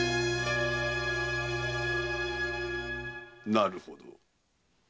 なるほど。